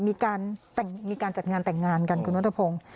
มีการแต่งมีการจัดงานแต่งงานกันคุณมตภพงศ์